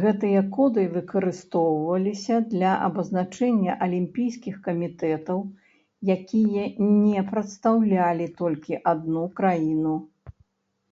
Гэтыя коды выкарыстоўваліся для абазначэння алімпійскіх камітэтаў, якія не прадстаўлялі толькі адну краіну.